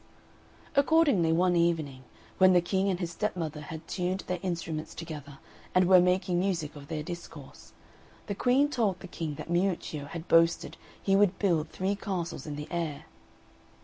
Accordingly one evening, when the King and his stepmother had tuned their instruments together and were making music of their discourse, the Queen told the King that Miuccio had boasted he would build three castles in the air.